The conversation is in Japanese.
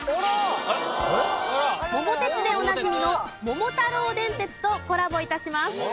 「桃鉄」でおなじみの『桃太郎電鉄』とコラボ致します。